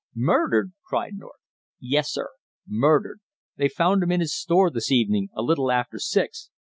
"Murdered!" cried North. "Yes, sir, murdered! They found him in his store this evening a little after six.